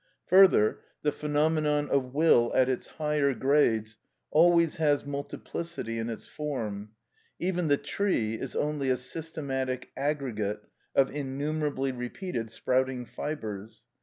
Further, the phenomenon of will at its higher grades always has multiplicity in its form. Even the tree is only a systematic aggregate of innumerably repeated sprouting fibres.